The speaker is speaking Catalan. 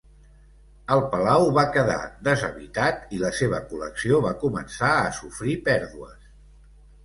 El palau va quedar deshabitat i la seva col·lecció va començar a sofrir pèrdues.